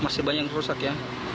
masih banyak yang rusak ya